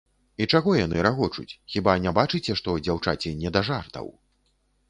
І чаго яны рагочуць, хіба не бачыце, што дзяўчаці не да жартаў.